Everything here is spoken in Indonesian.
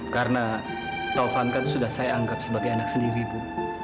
karena taufan kan sudah saya anggap sebagai anak sendiri bu